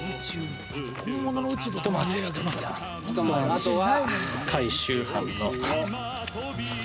あとは。